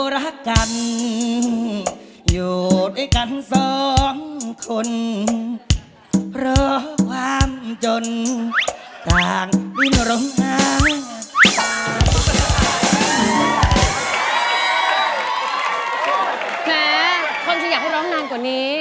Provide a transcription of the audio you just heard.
แม่คนที่อยากร้องนานกว่านี้